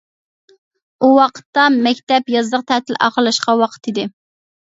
ئۇ ۋاقىتتا مەكتەپ يازلىق تەتىل ئاخىرلاشقان ۋاقىت ئىدى.